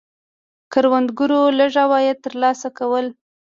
کروندګرو لږ عواید ترلاسه کول.